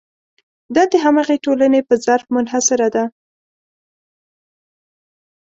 دا د همغې ټولنې په ظرف منحصره ده.